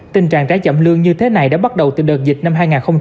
tình trạng trái chậm lương như thế này đã bắt đầu từ đợt dịch năm hai nghìn hai mươi ba